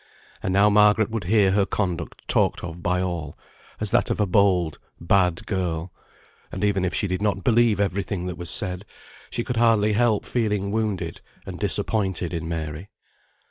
And now Margaret would hear her conduct talked of by all, as that of a bold, bad girl; and even if she did not believe every thing that was said, she could hardly help feeling wounded, and disappointed in Mary.